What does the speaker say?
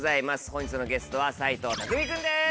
本日のゲストは斎藤工君です！